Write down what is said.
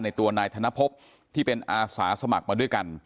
ตัวนายธนภพที่เป็นอาสาสมัครมาด้วยกัน